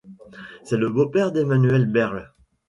C'est le beau-père d'Emmanuel Berl.